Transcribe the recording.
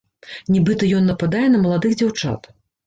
Нібыта, ён нападае на маладых дзяўчат.